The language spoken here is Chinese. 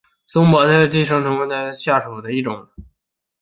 松柏钝果寄生为桑寄生科钝果寄生属下的一个变种。